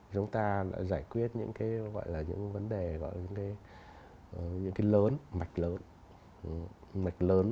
chúng ta giải quyết những cái gọi là những vấn đề gọi là những cái lớn mạch lớn